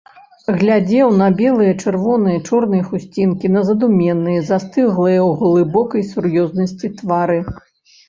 Глядзеў на белыя, чырвоныя, чорныя хусцінкі, на задуменныя, застыглыя ў глыбокай сур'ёзнасці твары.